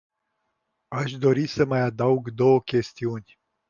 Aș dori să mai adaug două chestiuni.